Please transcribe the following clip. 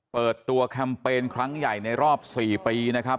เปิดตัวแคมเปญครั้งใหญ่ในรอบ๔ปีนะครับ